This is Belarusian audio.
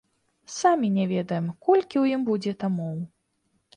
Самі не ведаем, колькі ў ім будзе тамоў.